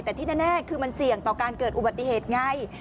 แต่ที่แน่คือมันเสี่ยงต่อการเกิดอุบัติเหตุไง